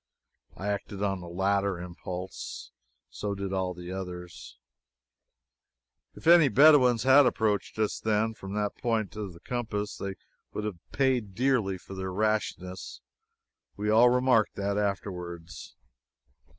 I acted on the latter impulse. So did all the others. If any Bedouins had approached us, then, from that point of the compass, they would have paid dearly for their rashness. We all remarked that, afterwards.